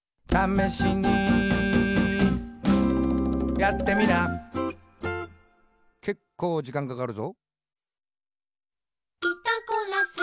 「けっこうじかんかかるぞ。」